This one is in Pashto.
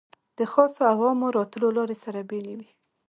د خاصو او عامو راتلو لارې سره بېلې وې.